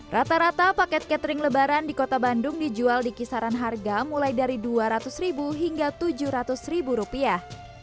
rata rata paket catering lebaran di kota bandung dijual di kisaran harga mulai dari dua ratus ribu hingga tujuh ratus ribu rupiah